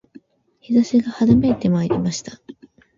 陽射しが春めいてまいりました